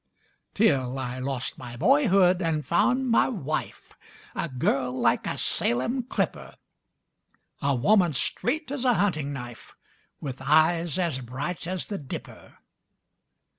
Till I lost my boyhood and found my wife, A girl like a Salem clipper! A woman straight as a hunting knife With eyes as bright as the Dipper!